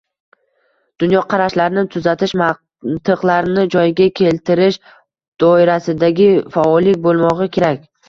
dunyoqarashlarni tuzatish, mantiqlarni joyiga keltirish doirasidagi faollik bo‘lmog‘i kerak.